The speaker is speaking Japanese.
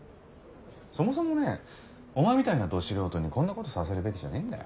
そもそもねお前みたいなど素人にこんなことさせるべきじゃねえんだよ。